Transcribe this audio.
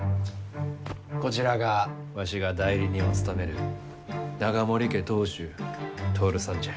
こちらがわしが代理人を務める永守家当主徹さんじゃ。